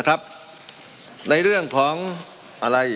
มันมีมาต่อเนื่องมีเหตุการณ์ที่ไม่เคยเกิดขึ้น